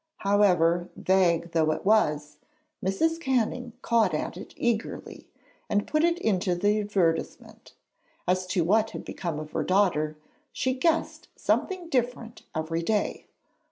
However, vague though it was, Mrs. Canning caught at it eagerly and put it into the advertisement. As to what had become of her daughter, she guessed something different every day.